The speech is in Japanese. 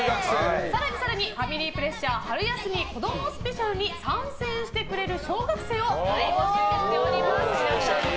更に更にファミリープレッシャー春休み子供スペシャル！に参戦してくれる小学生を大募集しております。